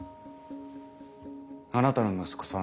あなたの息子さん